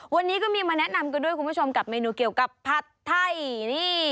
วันนี้ก็มีมาแนะนำกันด้วยคุณผู้ชมกับเมนูเกี่ยวกับผัดไทยนี่